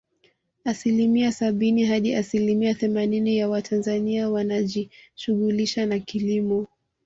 Asilimia sabini hadi asilimia themanini ya watanzania wanajishughulisha na kilimo